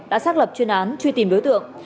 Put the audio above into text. đã xác lập chuyên án truy tìm đối tượng